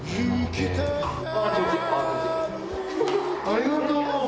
ありがとう。